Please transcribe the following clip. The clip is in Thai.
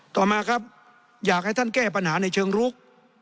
ต่อมาครับอยากให้ท่านแก้ปัญหาในเชิงลุก